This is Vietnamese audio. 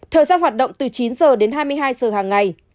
thời gian hoạt động từ chín giờ đến hai mươi hai giờ hàng ngày